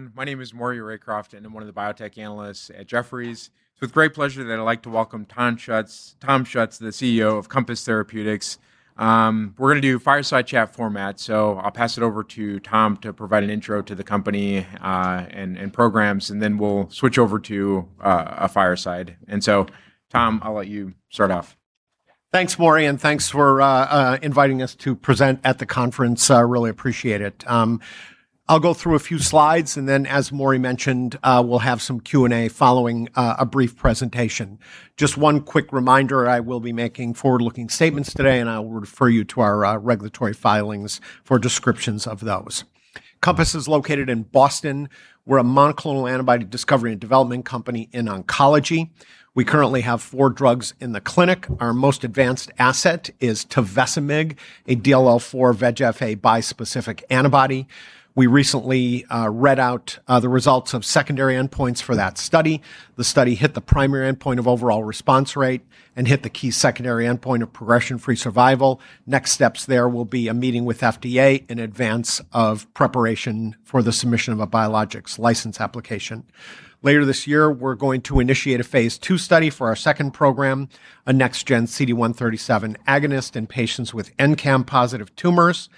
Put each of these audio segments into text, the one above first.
Everyone, my name is Maury Raycroft, and I'm one of the biotech analysts at Jefferies. It's with great pleasure that I'd like to welcome Tom Schuetz, the CEO of Compass Therapeutics. We're going to do fireside chat format, so I'll pass it over to Tom to provide an intro to the company and programs, and then we'll switch over to a fireside. Tom, I'll let you start off. Thanks, Maury, thanks for inviting us to present at the conference. I really appreciate it. I'll go through a few slides and then, as Maury mentioned, we'll have some Q&A following a brief presentation. Just one quick reminder, I will be making forward-looking statements today, and I will refer you to our regulatory filings for descriptions of those. Compass is located in Boston. We're a monoclonal antibody discovery and development company in oncology. We currently have four drugs in the clinic. Our most advanced asset is tovecimig, a DLL4 VEGF bispecific antibody. We recently read out the results of secondary endpoints for that study. The study hit the primary endpoint of overall response rate and hit the key secondary endpoint of progression-free survival. Next steps there will be a meeting with FDA in advance of preparation for the submission of a Biologics License Application. Later this year, we're going to initiate a phase II study for our second program, a next gen CD137 agonist in patients with NCAM-positive tumors.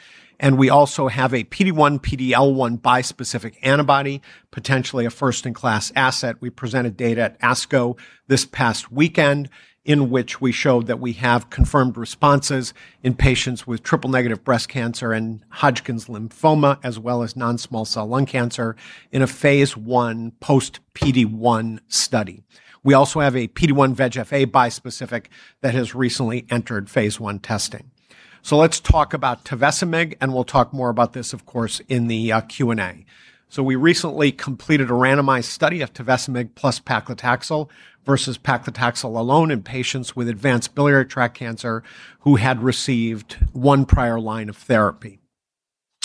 We also have a PD-1/PD-L1 bispecific antibody, potentially a first-in-class asset. We presented data at ASCO this past weekend in which we showed that we have confirmed responses in patients with triple-negative breast cancer and Hodgkin's lymphoma, as well as non-small cell lung cancer in a phase I post PD-1 study. We also have a PD-1 VEGF-A bispecific that has recently entered phase I testing. Let's talk about tovecimig, and we'll talk more about this, of course, in the Q&A. We recently completed a randomized study of tovecimig plus paclitaxel versus paclitaxel alone in patients with advanced biliary tract cancer who had received one prior line of therapy.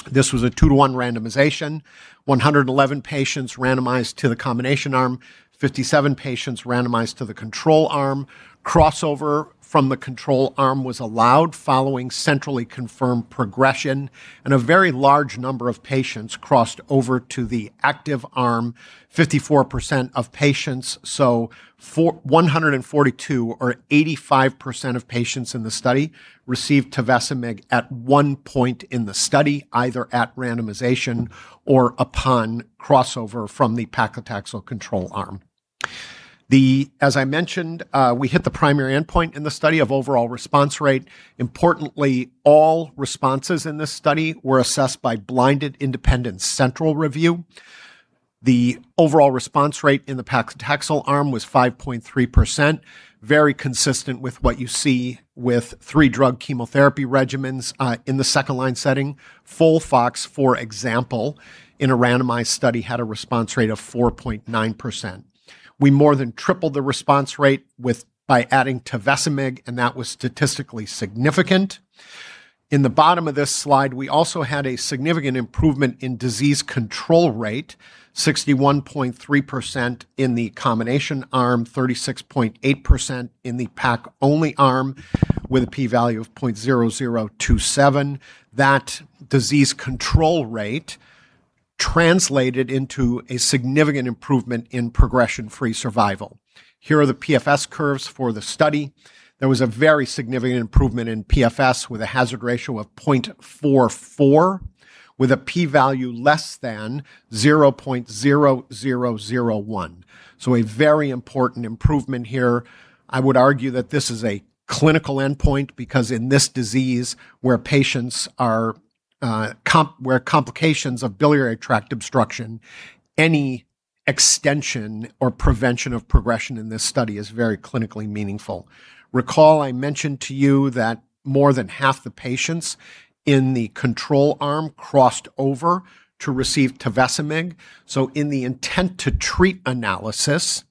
This was a two-to-one randomization, 111 patients randomized to the combination arm, 57 patients randomized to the control arm. Crossover from the control arm was allowed following centrally confirmed progression, a very large number of patients crossed over to the active arm, 54% of patients. 142 or 85% of patients in the study received tovecimig at one point in the study, either at randomization or upon crossover from the paclitaxel control arm. As I mentioned, we hit the primary endpoint in the study of overall response rate. Importantly, all responses in this study were assessed by blinded independent central review. The overall response rate in the paclitaxel arm was 5.3%, very consistent with what you see with three-drug chemotherapy regimens in the second-line setting. FOLFOX, for example, in a randomized study, had a response rate of 4.9%. We more than tripled the response rate by adding tovecimig, that was statistically significant. In the bottom of this slide, we also had a significant improvement in disease control rate, 61.3% in the combination arm, 36.8% in the pac-only arm with a p-value of 0.0027. That disease control rate translated into a significant improvement in progression-free survival. Here are the PFS curves for the study. There was a very significant improvement in PFS with a hazard ratio of 0.44 with a p-value less than 0.0001. A very important improvement here. I would argue that this is a clinical endpoint because in this disease, where complications of biliary tract obstruction, any extension or prevention of progression in this study is very clinically meaningful. Recall I mentioned to you that more than half the patients in the control arm crossed over to receive tovecimig. In the intention-to-treat analysis,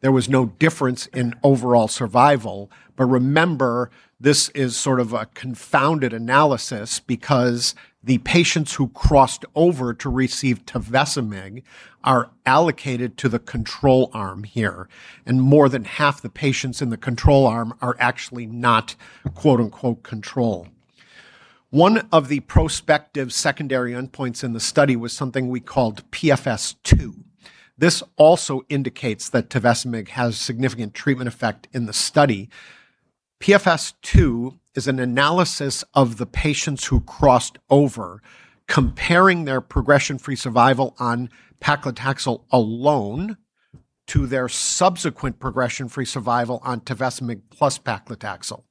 there was no difference in overall survival. Remember, this is sort of a confounded analysis because the patients who crossed over to receive tovecimig are allocated to the control arm here, and more than half the patients in the control arm are actually not, quote, unquote, "control." One of the prospective secondary endpoints in the study was something we called PFS2. This also indicates that tovecimig has significant treatment effect in the study. PFS2 is an analysis of the patients who crossed over, comparing their progression-free survival on paclitaxel alone to their subsequent progression-free survival on tovecimig plus paclitaxel.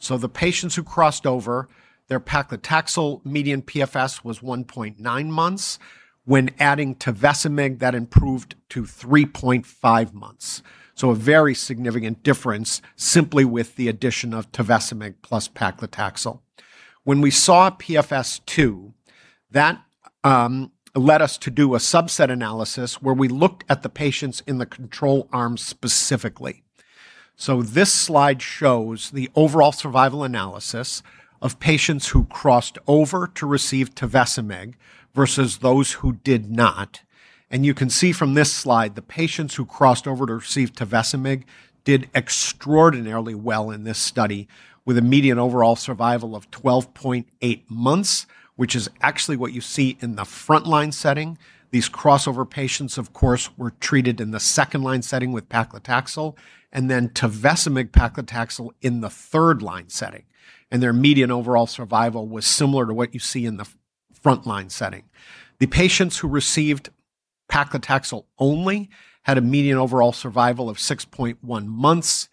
The patients who crossed over, their paclitaxel median PFS was 1.9 months. When adding tovecimig, that improved to 3.5 months. A very significant difference simply with the addition of tovecimig plus paclitaxel. When we saw PFS2, that led us to do a subset analysis where we looked at the patients in the control arm specifically. This slide shows the overall survival analysis of patients who crossed over to receive tovecimig versus those who did not. You can see from this slide, the patients who crossed over to receive tovecimig did extraordinarily well in this study with a median overall survival of 12.8 months, which is actually what you see in the frontline setting. These crossover patients, of course, were treated in the second-line setting with paclitaxel and then tovecimig/paclitaxel in the third-line setting, and their median overall survival was similar to what you see in the frontline setting. The patients who received paclitaxel only had a median overall survival of 6.1 months.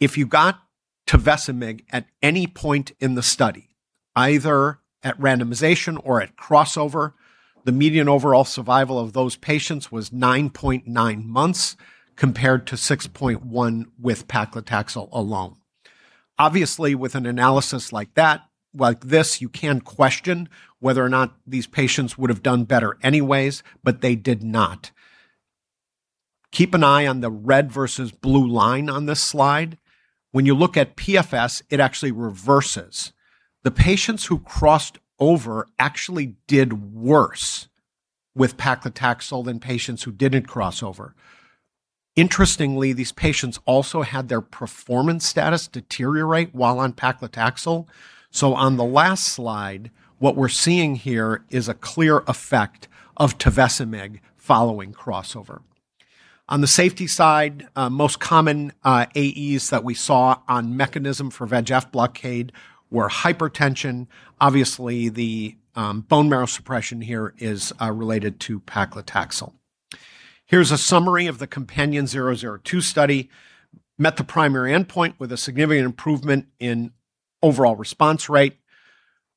If you got tovecimig at any point in the study, either at randomization or at crossover, the median overall survival of those patients was 9.9 months compared to 6.1 with paclitaxel alone. Obviously, with an analysis like this, you can question whether or not these patients would have done better anyways, but they did not. Keep an eye on the red versus blue line on this slide. When you look at PFS, it actually reverses. The patients who crossed over actually did worse with paclitaxel than patients who didn't cross over. Interestingly, these patients also had their performance status deteriorate while on paclitaxel. So on the last slide, what we're seeing here is a clear effect of tovecimig following crossover. On the safety side, most common AEs that we saw on mechanism for VEGF blockade were hypertension. Obviously, the bone marrow suppression here is related to paclitaxel. Here's a summary of the COMPANION-002 study. Met the primary endpoint with a significant improvement in overall response rate.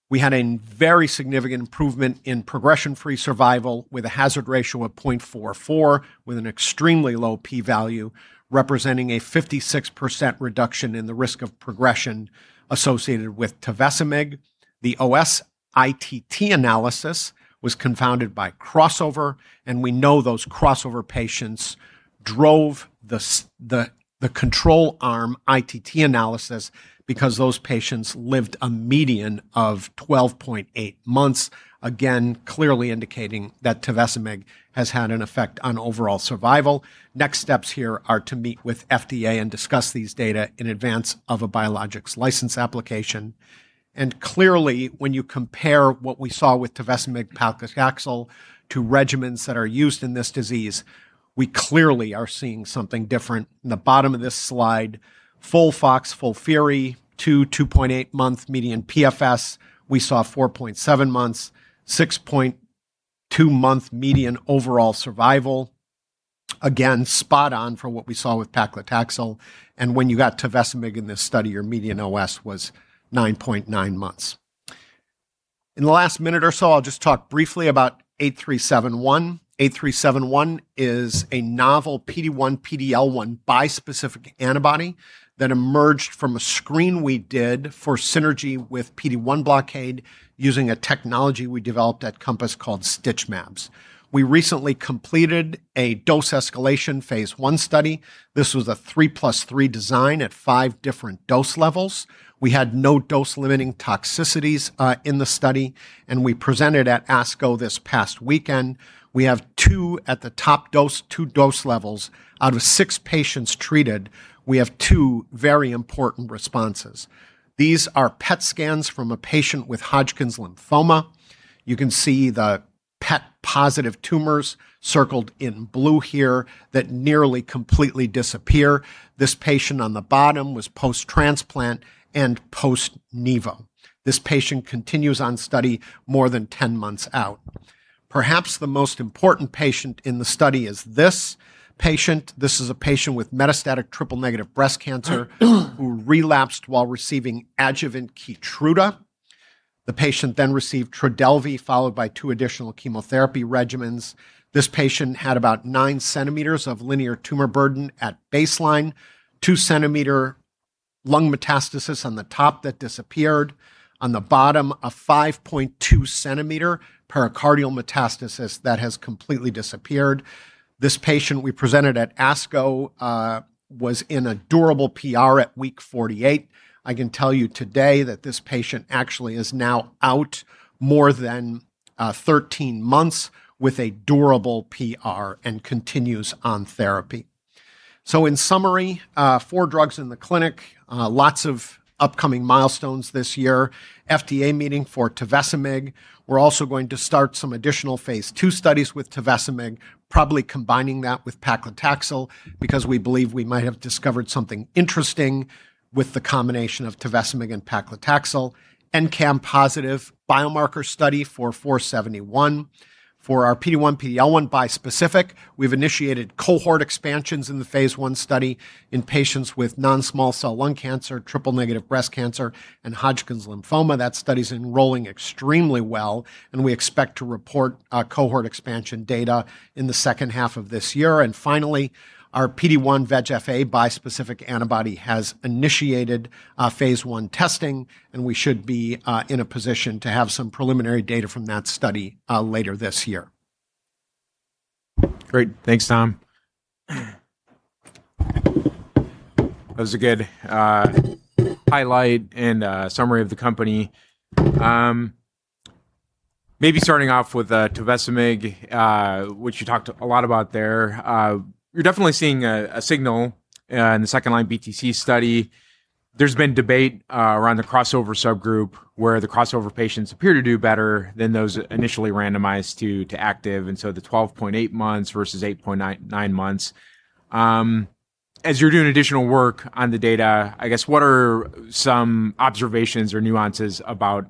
We had a very significant improvement in progression-free survival with a hazard ratio of 0.44, with an extremely low p-value, representing a 56% reduction in the risk of progression associated with tovecimig. The OS ITT analysis was confounded by crossover. We know those crossover patients drove the control arm ITT analysis because those patients lived a median of 12.8 months, again, clearly indicating that tovecimig has had an effect on overall survival. Next steps here are to meet with FDA and discuss these data in advance of a Biologics License Application. Clearly, when you compare what we saw with tovecimig paclitaxel to regimens that are used in this disease, we clearly are seeing something different. In the bottom of this slide, FOLFOX/FOLFIRI, 2.8-month median PFS. We saw 4.7 months, 6.2-month median overall survival. Again, spot on for what we saw with paclitaxel. When you got tovecimig in this study, your median OS was 9.9 months. In the last minute or so, I'll just talk briefly about 8371. 8371 is a novel PD-1, PD-L1 bispecific antibody that emerged from a screen we did for synergy with PD-1 blockade using a technology we developed at Compass called StitchMabs. We recently completed a dose escalation phase I study. This was a 3+3 design at five different dose levels. We had no dose-limiting toxicities in the study, we presented at ASCO this past weekend. We have two at the top dose, two dose levels. Out of six patients treated, we have two very important responses. These are PET scans from a patient with Hodgkin's lymphoma. You can see the PET-positive tumors circled in blue here that nearly completely disappear. This patient on the bottom was post-transplant and post-nivo. This patient continues on study more than 10 months out. Perhaps the most important patient in the study is this patient. This is a patient with metastatic triple-negative breast cancer who relapsed while receiving adjuvant KEYTRUDA. Patient then received TRODELVY, followed by two additional chemotherapy regimens. This patient had about nine centimeters of linear tumor burden at baseline, two-centimeter lung metastasis on the top that disappeared. On the bottom, a 5.2-centimeter pericardial metastasis that has completely disappeared. This patient we presented at ASCO was in a durable PR at week 48. I can tell you today that this patient actually is now out more than 13 months with a durable PR and continues on therapy. In summary, four drugs in the clinic. Lots of upcoming milestones this year. FDA meeting for tovecimig. We're also going to start some additional phase II studies with tovecimig, probably combining that with paclitaxel, because we believe we might have discovered something interesting with the combination of tovecimig and paclitaxel. NCAM positive biomarker study for 471. For our PD-1, PD-L1 bispecific, we've initiated cohort expansions in the phase I study in patients with non-small cell lung cancer, triple-negative breast cancer, and Hodgkin's lymphoma. That study's enrolling extremely well. We expect to report cohort expansion data in the second half of this year. Finally, our PD-1 VEGF-A bispecific antibody has initiated phase I testing, and we should be in a position to have some preliminary data from that study later this year. Great. Thanks, Tom. That was a good highlight and summary of the company. Maybe starting off with tovecimig, which you talked a lot about there. You're definitely seeing a signal in the second-line BTC study. There's been debate around the crossover subgroup, where the crossover patients appear to do better than those initially randomized to active, and so the 12.8 months versus 8.9 months. As you're doing additional work on the data, I guess, what are some observations or nuances about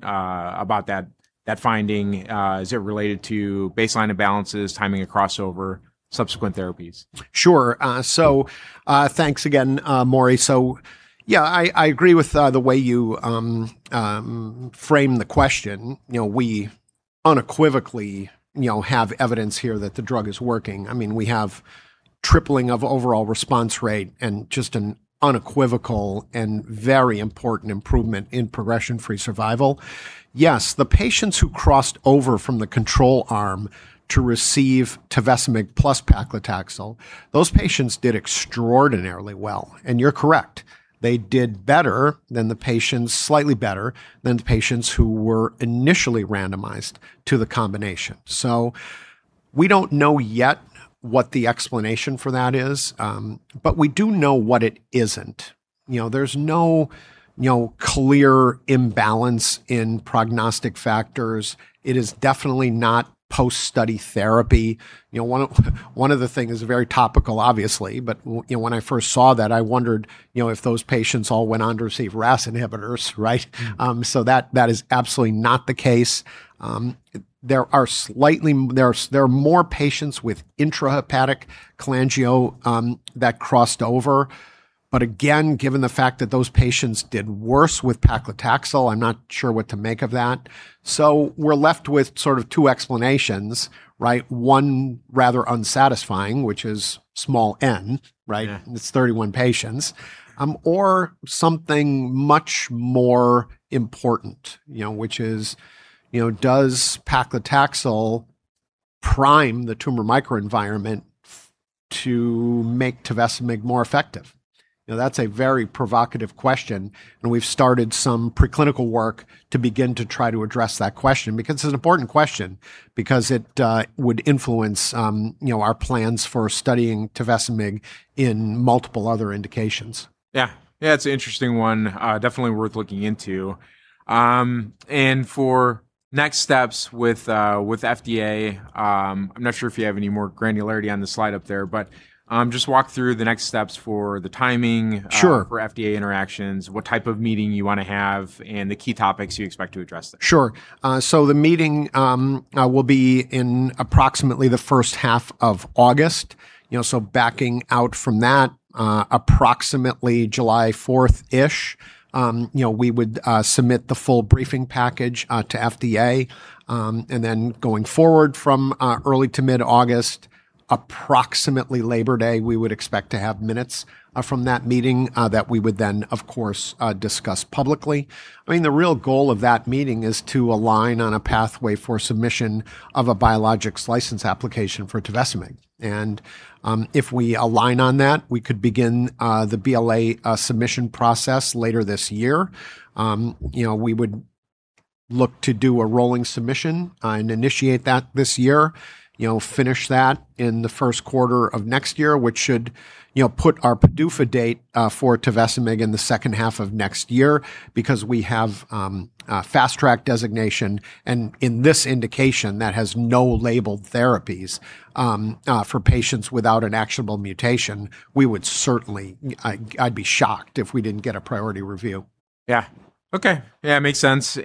that finding? Is it related to baseline imbalances, timing of crossover, subsequent therapies? Sure. Thanks again, Maury. Yeah, I agree with the way you frame the question. We unequivocally have evidence here that the drug is working. We have tripling of overall response rate and just an unequivocal and very important improvement in progression-free survival. Yes, the patients who crossed over from the control arm to receive tovecimig plus paclitaxel, those patients did extraordinarily well. You're correct, they did slightly better than the patients who were initially randomized to the combination. We don't know yet what the explanation for that is, but we do know what it isn't. There's no clear imbalance in prognostic factors. It is definitely not post-study therapy. One of the things is very topical, obviously, but when I first saw that, I wondered if those patients all went on to receive RAS inhibitors, right? That is absolutely not the case. There are more patients with intrahepatic cholangiocarcinoma that crossed over. Again, given the fact that those patients did worse with paclitaxel, I'm not sure what to make of that. We're left with sort of two explanations, right? One, rather unsatisfying, which is small n, right? Yeah. It's 31 patients. Something much more important, which is does paclitaxel prime the tumor microenvironment to make tovecimig more effective? That's a very provocative question, and we've started some preclinical work to begin to try to address that question because it's an important question, because it would influence our plans for studying tovecimig in multiple other indications. Yeah. Yeah, it's an interesting one, definitely worth looking into. For next steps with FDA, I'm not sure if you have any more granularity on the slide up there, but just walk through the next steps for the timing. Sure for FDA interactions, what type of meeting you want to have, and the key topics you expect to address there. Sure. The meeting will be in approximately the first half of August. Backing out from that, approximately July 4th-ish, we would submit the full briefing package to FDA. Then going forward from early to mid-August, approximately Labor Day, we would expect to have minutes from that meeting that we would then, of course, discuss publicly. The real goal of that meeting is to align on a pathway for submission of a Biologics License Application for tovecimig. If we align on that, we could begin the BLA submission process later this year. We would look to do a rolling submission and initiate that this year, finish that in the first quarter of next year, which should put our PDUFA date for tovecimig in the second half of next year because we have a Fast Track Designation. In this indication that has no labeled therapies for patients without an actionable mutation, I'd be shocked if we didn't get a priority review. Yeah. Okay. Yeah, it makes sense.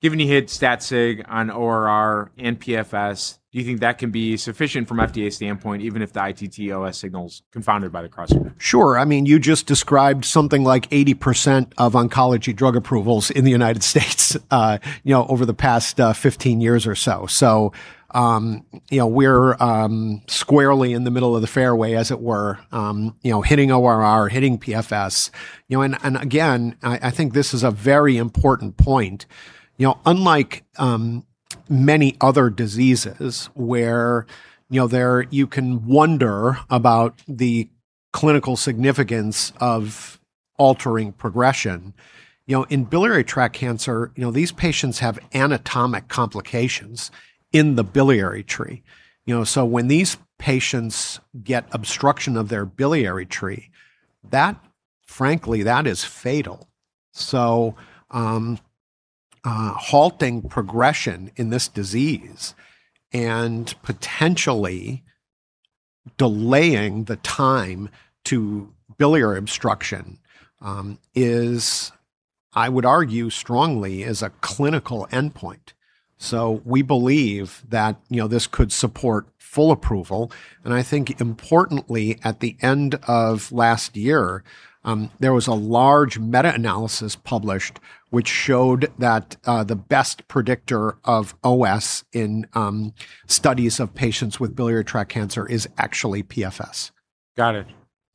Given you hit stat sig on ORR and PFS, do you think that can be sufficient from FDA standpoint, even if the ITT OS signal's confounded by the crossover? Sure. You just described something like 80% of oncology drug approvals in the United States over the past 15 years or so. We're squarely in the middle of the fairway, as it were, hitting ORR, hitting PFS. Again, I think this is a very important point. Unlike many other diseases where you can wonder about the clinical significance of altering progression, in biliary tract cancer, these patients have anatomic complications in the biliary tree. When these patients get obstruction of their biliary tree, frankly, that is fatal. Halting progression in this disease and potentially delaying the time to biliary obstruction is, I would argue strongly, is a clinical endpoint. We believe that this could support full approval, and I think importantly, at the end of last year, there was a large meta-analysis published, which showed that the best predictor of OS in studies of patients with biliary tract cancer is actually PFS. Got it.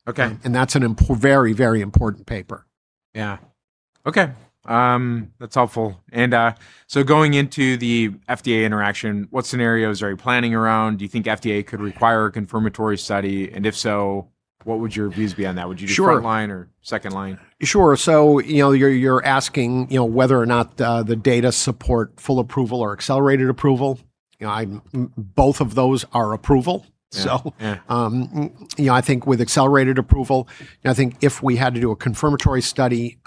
Okay. That's a very important paper. Yeah. Okay. That's helpful. Going into the FDA interaction, what scenarios are you planning around? Do you think FDA could require a confirmatory study? If so, what would your views be on that? Sure. Would you do first line or second line? Sure. You're asking whether or not the data support full approval or accelerated approval? Both of those are approval. Yeah. I think with accelerated approval, I think if we had to do a confirmatory study,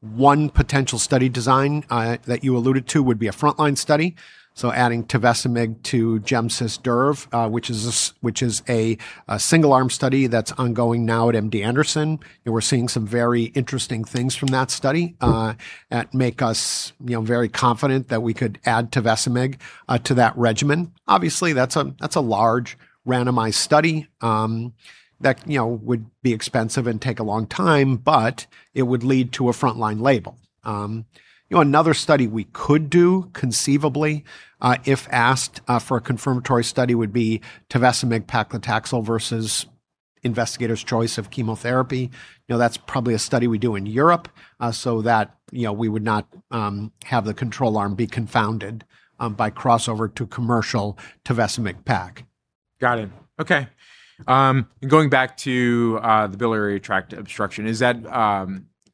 one potential study design that you alluded to would be a frontline study. Adding tovecimig to GEM/CIS/DURVA, which is a single-arm study that's ongoing now at MD Anderson. We're seeing some very interesting things from that study that make us very confident that we could add tovecimig to that regimen. Obviously, that's a large randomized study that would be expensive and take a long time, but it would lead to a frontline label. Another study we could do conceivably, if asked for a confirmatory study, would be tovecimig paclitaxel versus investigator's choice of chemotherapy. That's probably a study we'd do in Europe, so that we would not have the control arm be confounded by crossover to commercial tovecimig pac. Got it. Okay. Going back to the biliary tract obstruction,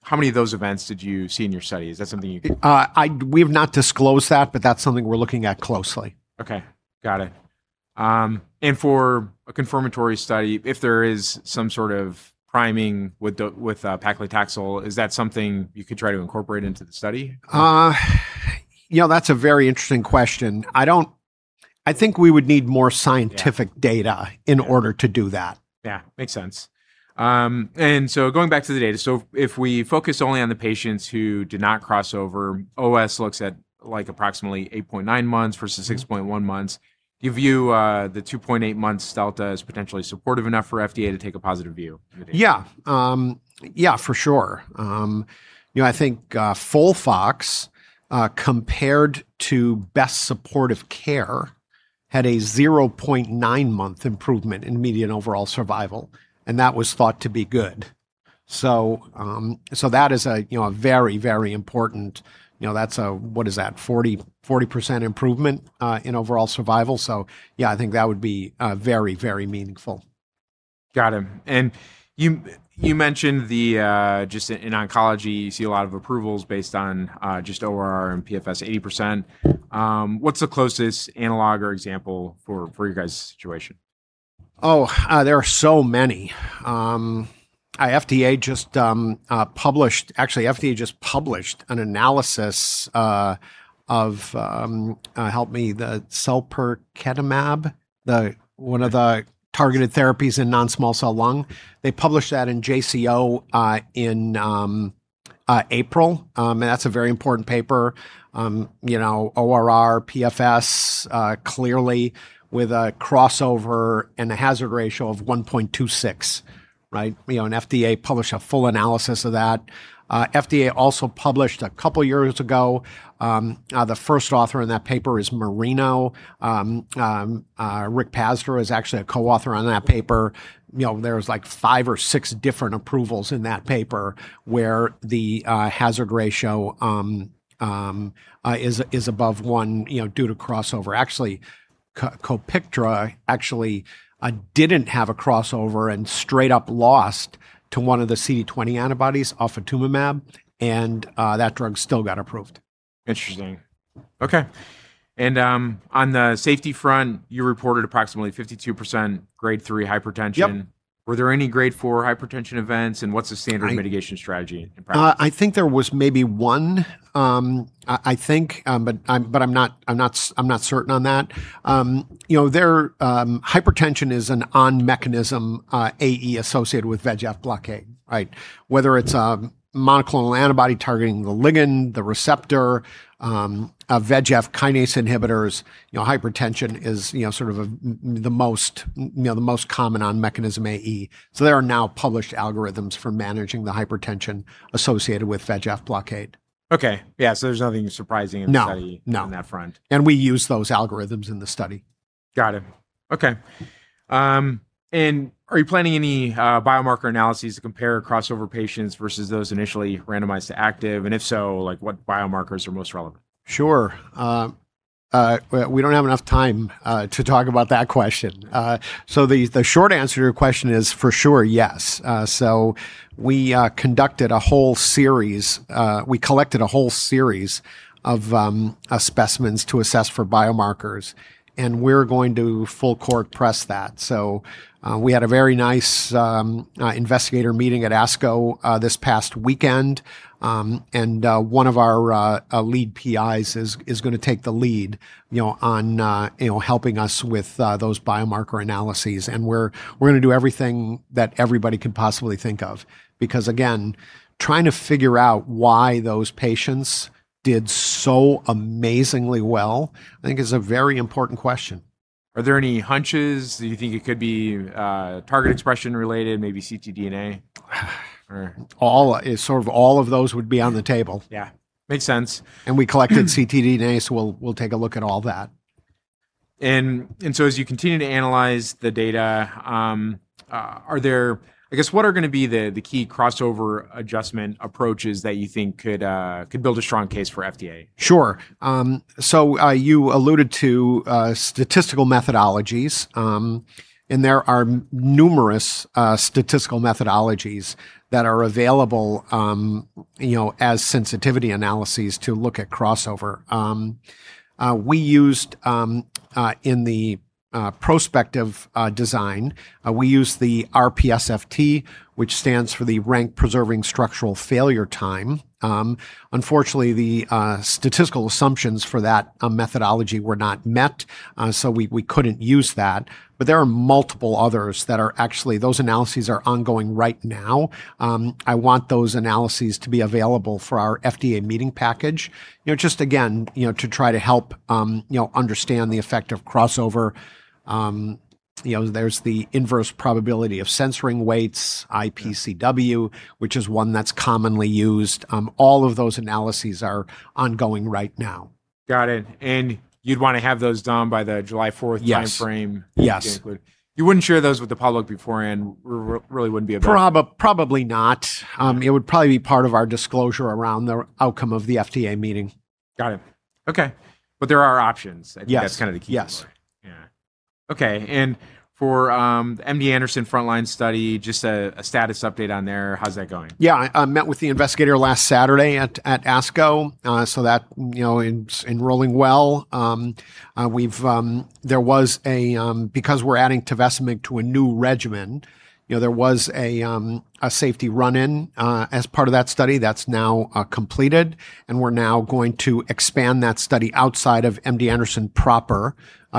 how many of those events did you see in your study? Is that something you can. We have not disclosed that, but that's something we're looking at closely. Okay. Got it. For a confirmatory study, if there is some sort of priming with paclitaxel, is that something you could try to incorporate into the study? That's a very interesting question. I think we would need more scientific data. Yeah in order to do that. Yeah. Makes sense. Going back to the data, if we focus only on the patients who did not cross over, OS looks at approximately 8.9 months versus 6.1 months. Do you view the 2.8 months delta as potentially supportive enough for FDA to take a positive view of the data? Yeah. For sure. I think FOLFOX, compared to best supportive care, had a 0.9 month improvement in median overall survival, and that was thought to be good. That is a very important, what is that? 40% improvement in overall survival. Yeah, I think that would be very meaningful. Got it. You mentioned that just in oncology you see a lot of approvals based on just ORR and PFS 80%. What's the closest analog or example for your guys' situation? There are so many. Actually, FDA just published an analysis of, help me, the selpercatinib, one of the targeted therapies in non-small cell lung. They published that in JCO in April, that's a very important paper. ORR, PFS, clearly with a crossover and a hazard ratio of 1.26, right? FDA published a full analysis of that. FDA also published a couple of years ago, the first author in that paper is Marino. Rick Pazdur was actually a coauthor on that paper. There was five or six different approvals in that paper where the hazard ratio is above one due to crossover. Copiktra, actually, didn't have a crossover and straight up lost to one of the CD20 antibodies, ofatumumab, that drug still got approved. Interesting. Okay. On the safety front, you reported approximately 52% Grade 3 hypertension. Yep. Were there any Grade 4 hypertension events, and what's the standard mitigation strategy in practice? I think there was maybe one, I think, but I'm not certain on that. Hypertension is an on-mechanism AE associated with VEGF blockade, right? Whether it's a monoclonal antibody targeting the ligand, the receptor, VEGF kinase inhibitors, hypertension is the most common on-mechanism AE. There are now published algorithms for managing the hypertension associated with VEGF blockade. Okay. Yeah. There's nothing surprising in the study. No on that front. We use those algorithms in the study. Got it. Okay. Are you planning any biomarker analyses to compare crossover patients versus those initially randomized to active? If so, what biomarkers are most relevant? Sure. We don't have enough time to talk about that question. The short answer to your question is for sure, yes. We collected a whole series of specimens to assess for biomarkers, and we're going to full court press that. We had a very nice investigator meeting at ASCO this past weekend, and one of our lead PIs is going to take the lead on helping us with those biomarker analyses. We're going to do everything that everybody could possibly think of, because again, trying to figure out why those patients did so amazingly well, I think is a very important question. Are there any hunches? Do you think it could be target expression related, maybe ctDNA? All of those would be on the table. Yeah. Makes sense. We collected ctDNA, so we'll take a look at all that. As you continue to analyze the data, I guess, what are going to be the key crossover adjustment approaches that you think could build a strong case for FDA? Sure. You alluded to statistical methodologies. There are numerous statistical methodologies that are available as sensitivity analyses to look at crossover. We used in the prospective design. We use the RPSFT, which stands for the Rank Preserving Structural Failure Time. Unfortunately, the statistical assumptions for that methodology were not met. We couldn't use that. There are multiple others that are actually, those analyses are ongoing right now. I want those analyses to be available for our FDA meeting package. Just again, to try to help understand the effect of crossover. There's the inverse probability of censoring weights, IPCW, which is one that's commonly used. All of those analyses are ongoing right now. Got it, you'd want to have those done by the July 4th time frame. Yes that you included. You wouldn't share those with the public beforehand, really wouldn't be appropriate. Probably not. It would probably be part of our disclosure around the outcome of the FDA meeting. Got it. Okay. There are options. Yes. I think that's the key. Yes. Yeah. Okay, for the MD Anderson frontline study, just a status update on there. How's that going? Yeah. I met with the investigator last Saturday at ASCO. That's enrolling well. Because we're adding tovecimig to a new regimen, there was a safety run-in as part of that study that's now completed. We're now going to expand that study outside of MD Anderson proper,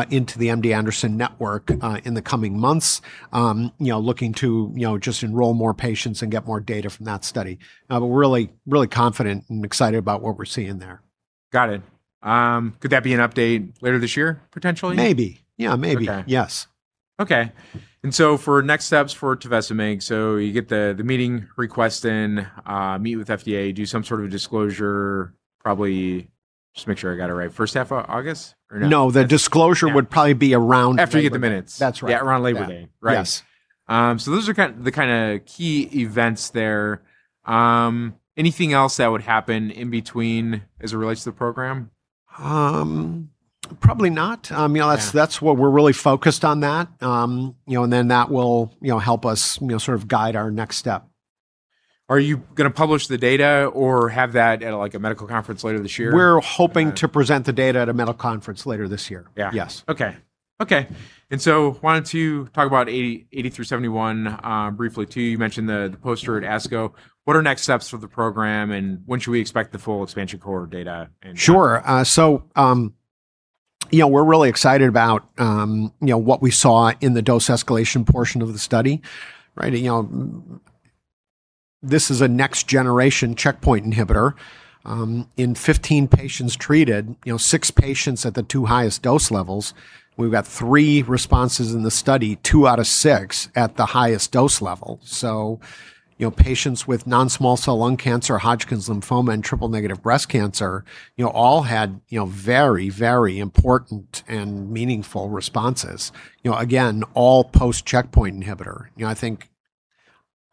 into the MD Anderson network in the coming months. Looking to just enroll more patients and get more data from that study. We're really confident and excited about what we're seeing there. Got it. Could that be an update later this year, potentially? Maybe. Yeah, maybe. Okay. Yes. Okay. For next steps for tovecimig, so you get the meeting request in, meet with FDA, do some sort of disclosure, probably, just make sure I got it right, first half of August, or no? No, the disclosure would probably be around Labor Day. After you get the minutes. That's right. Yeah, around Labor Day. Yes. Right. Those are the kind of key events there. Anything else that would happen in between as it relates to the program? Probably not. Yeah. We're really focused on that, and then that will help us sort of guide our next step. Are you going to publish the data or have that at a medical conference later this year? We're hoping to present the data at a medical conference later this year. Yeah. Yes. Okay. Okay. Why don't you talk about 8371 briefly, too. You mentioned the poster at ASCO. What are next steps for the program, and when should we expect the full expansion cohort data in? Sure. We're really excited about what we saw in the dose escalation portion of the study. This is a next generation checkpoint inhibitor. In 15 patients treated, six patients at the two highest dose levels, we've got three responses in the study, two out of six at the highest dose level. Patients with non-small cell lung cancer, Hodgkin's lymphoma, and triple-negative breast cancer all had very, very important and meaningful responses. Again, all post-checkpoint inhibitor. I think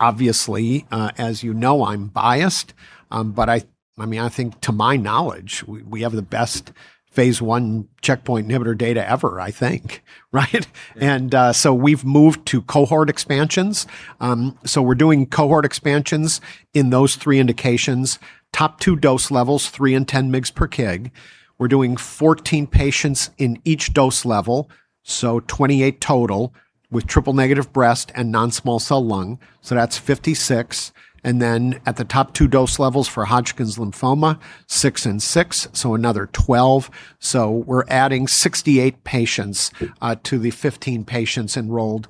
obviously, as you know, I'm biased, but I think to my knowledge, we have the best phase I checkpoint inhibitor data ever. Right? Yeah. We've moved to cohort expansions. We're doing cohort expansions in those three indications. Top two dose levels, 3 mgs and 10 mgs per kg. We're doing 14 patients in each dose level, so 28 total, with triple-negative breast and non-small cell lung, so that's 56. At the top two dose levels for Hodgkin's lymphoma, six and six, so another 12. We're adding 68 patients to the 15 patients enrolled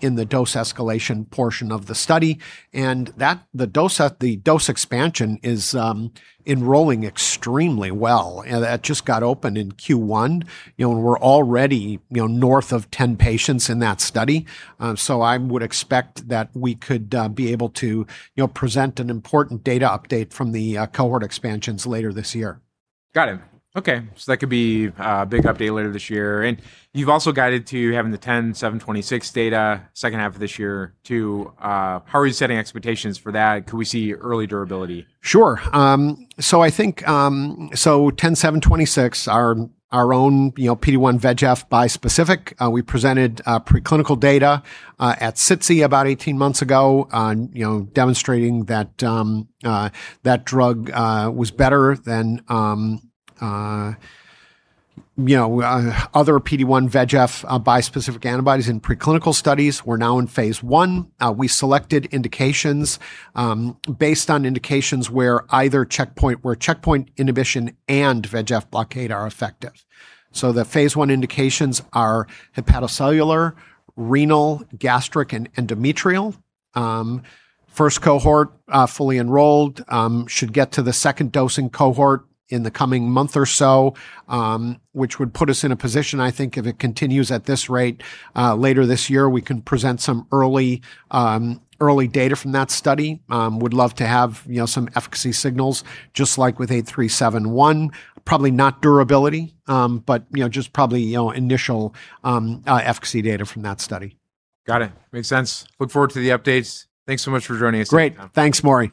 in the dose escalation portion of the study. The dose expansion is enrolling extremely well. That just got opened in Q1, and we're already north of 10 patients in that study. I would expect that we could be able to present an important data update from the cohort expansions later this year. Got it. Okay. That could be a big update later this year. You've also guided to having the 10726 data second half of this year, too. How are you setting expectations for that? Could we see early durability? Sure. 10726, our own PD-1 VEGF bispecific, we presented preclinical data at SITC about 18 months ago demonstrating that that drug was better than other PD-1 VEGF bispecific antibodies in preclinical studies. We're now in phase I. We selected indications based on indications where checkpoint inhibition and VEGF blockade are effective. The phase I indications are hepatocellular, renal, gastric, and endometrial. First cohort fully enrolled. Should get to the second dosing cohort in the coming month or so, which would put us in a position, I think, if it continues at this rate, later this year, we can present some early data from that study. Would love to have some efficacy signals, just like with 8371. Probably not durability, just probably initial efficacy data from that study. Got it. Makes sense. Look forward to the updates. Thanks so much for joining us today, Tom. Great. Thanks, Maury.